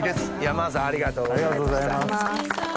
真央さんありがとうございました。